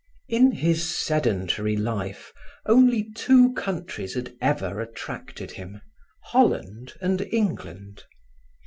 In his sedentary life, only two countries had ever attracted him: Holland and England.